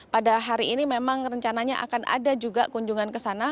pada hari ini memang rencananya akan ada juga kunjungan ke sana